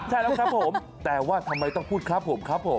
ใช่แล้วครับผมแต่ว่าทำไมต้องพูดครับผมครับผม